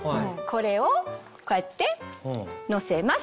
これをこうやって乗せます。